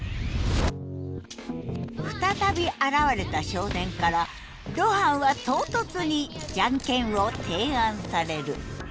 再び現れた少年から露伴は唐突に「ジャンケン」を提案される。